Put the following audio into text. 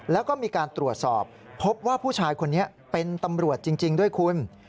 แล้วก็มีการตรวจสอบพบว่าผู้ชายคนนี้เป็นตำรวจจริงด้วยคุณ